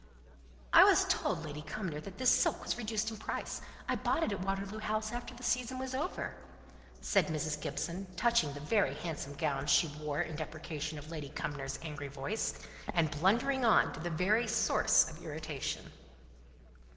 "I was told, Lady Cumnor, that this silk was reduced in price. I bought it at Waterloo House after the season was over," said Mrs. Gibson, touching the very handsome gown she wore in deprecation of Lady Cumnor's angry voice, and blundering on to the very source of irritation.